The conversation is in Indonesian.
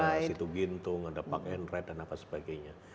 kemudian ada situgintung ada park and ride dan apa sebagainya